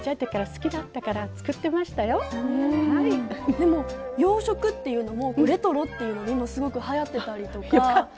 でも洋食っていうのもレトロっていうので今すごくはやってたりとか。よかった。